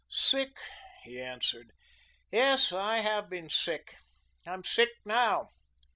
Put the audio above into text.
"Sick?" he answered. "Yes, I have been sick. I'm sick now.